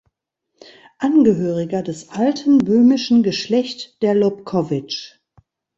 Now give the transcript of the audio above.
Angehöriger des alten böhmischen Geschlecht der Lobkowicz.